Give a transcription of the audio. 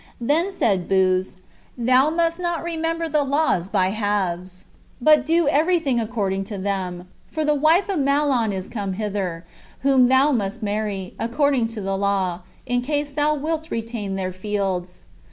Then said Booz, "Thou must not remember the laws by halves, but do every thing according to them; for the wife of Mahlon is come hither, whom thou must marry, according to the law, in case thou wilt retain their fields."